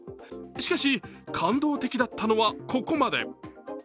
しかし、感動的だったのはここまで。